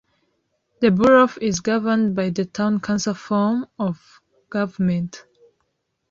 The borough is governed by the town council form of government.